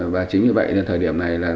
và chính như vậy thời điểm này